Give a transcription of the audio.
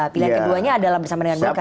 pilihan keduanya adalah bersama dengan mereka